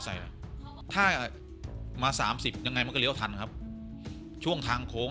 ใส่ถ้ามา๓๐วิ่งยังไงมันก็เรี่ยวทันครับช่วงทางโค้ง